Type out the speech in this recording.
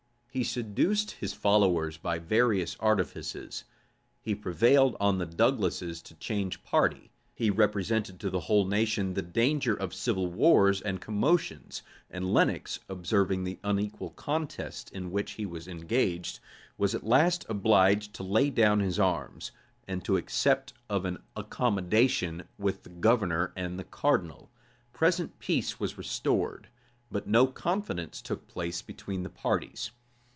He seduced his followers by various artifices; he prevailed on the Douglases to change party; he represented to the whole nation the danger of civil wars and commotions; and Lenox, observing the unequal contest in which he was engaged, was at last obliged to lay down his arms, and to accept of an accommodation with the governor and the cardinal. Present peace was restored; but no confidence took place between the parties.